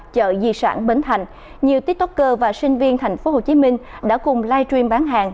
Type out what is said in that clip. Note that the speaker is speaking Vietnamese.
chợ di sản bến thành nhiều tiktoker và sinh viên tp hcm đã cùng live stream bán hàng